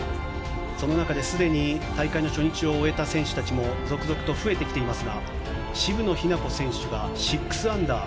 その中ですでに大会初日を終えた選手たちも続々と増えてきていますが渋野日向子選手は６アンダー。